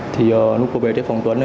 thì lúc cô về tới phòng tuấn